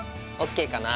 ＯＫかな。